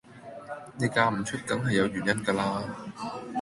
你嫁唔出梗係有原因㗎啦